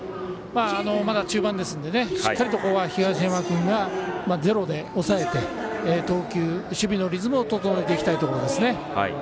まだ中盤ですのでしっかりと東山君が抑えてゼロで抑えて、守備のリズムを整えていきたいところですね。